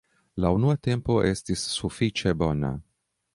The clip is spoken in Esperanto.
La unua tempo estis sufiĉe bona.